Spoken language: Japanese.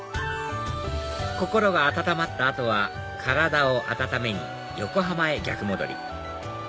心が温まった後は体を温めに横浜へ逆戻り